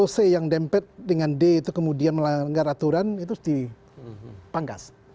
c yang dempet dengan d itu kemudian melanggar aturan itu dipangkas